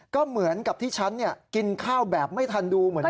ก็เหมือนกับที่ฉันกินข้าวแบบไม่ทันดูเหมือนกัน